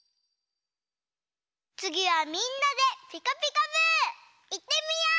つぎはみんなで「ピカピカブ！」いってみよう！